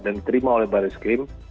dan diterima oleh baris klim